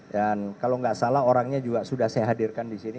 dan kalau gak salah orangnya juga sudah saya hadirkan disini